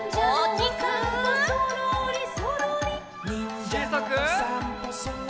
ちいさく。